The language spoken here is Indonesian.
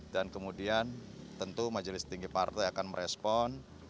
dan kemudian tentu majelis tinggi partai akan merespon